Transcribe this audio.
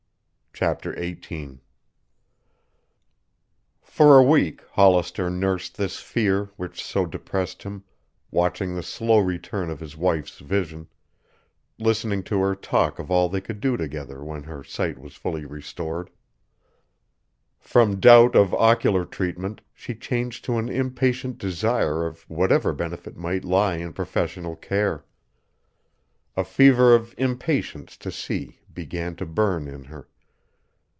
CHAPTER XVIII For a week Hollister nursed this fear which so depressed him, watching the slow return of his wife's vision, listening to her talk of all they could do together when her sight was fully restored. From doubt of ocular treatment she changed to an impatient desire of whatever benefit might lie in professional care. A fever of impatience to see began to burn in her.